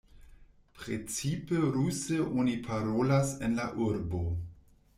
Precipe ruse oni parolas en la urbo.